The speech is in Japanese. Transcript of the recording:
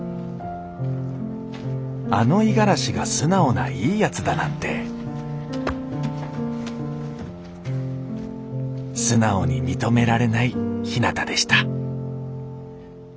あの五十嵐が素直ないいやつだなんて素直に認められないひなたでした